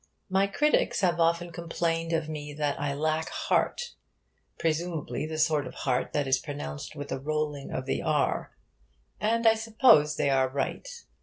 My critics have often complained of me that I lack 'heart' presumably the sort of heart that is pronounced with a rolling of the r; and I suppose they are right.